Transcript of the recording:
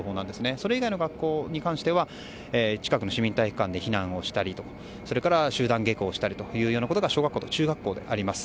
それ以外の学校に関しては近くの市民体育館で避難をしたり集団下校したりという状況が小学校と中学校であります。